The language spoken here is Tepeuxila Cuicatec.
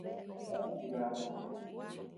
Yeabean leaku tikata.